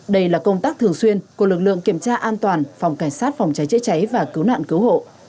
đây là công tác thường xuyên của lực lượng kiểm tra an toàn phòng cảnh sát phòng cháy chữa cháy và cứu nạn cứu hộ